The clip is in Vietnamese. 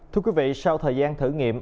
thưa quý vị sau thời gian thử nghiệm